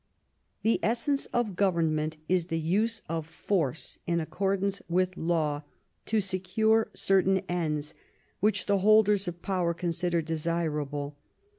The essence of government is the use of force in accordance with law to secure certain ends which the holders of power consider desirable.